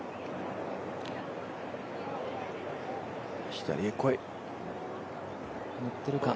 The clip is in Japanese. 左へ来い！